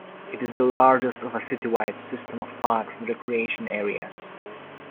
It is the largest of a citywide system of parks and recreation areas.